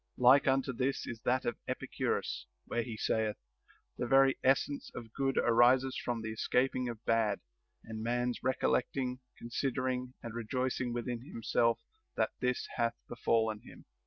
Like unto this is that of Epicurus, where he saith : The very essence of good arises from the escaping of bad, and a man's recollect ing, considering, and rejoicing within himself that this hath befallen him.